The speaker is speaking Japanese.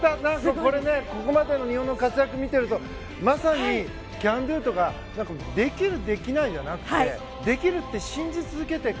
これ、ここまでの日本の活躍を見ているとまさにＣＡＮＤＯとかできるできないじゃなくてできるって信じ続けていく。